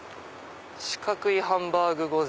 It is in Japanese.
「四角いハンバーグ御膳」。